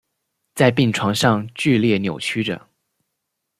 在病床上剧烈扭曲著